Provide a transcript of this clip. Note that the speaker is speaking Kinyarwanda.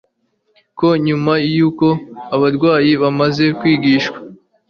ko nyuma yuko abarwayi bamaze kwigishwa